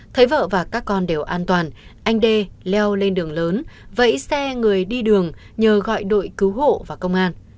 thấy vợ và các con đều an toàn anh đê leo lên đường lớn vẫy xe người đi đường nhờ gọi đội cứu hộ và công an